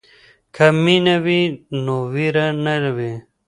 که مینه وي نو وېره نه وي.